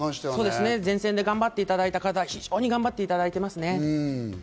前線で頑張っていただいた方、非常に頑張っていますね。